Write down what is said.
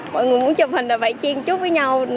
mọi người muốn chụp hình là phải chiên chút với nhau